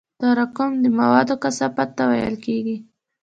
تراکم د موادو کثافت ته ویل کېږي.